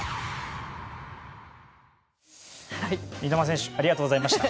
三笘選手ありがとうございました。